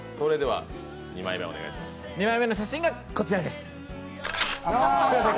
２枚目の写真がこちらです。